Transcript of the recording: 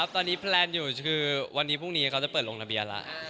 ตอนนี้แพลนอยู่คือวันนี้พรุ่งนี้เขาจะเปิดลงทะเบียนแล้ว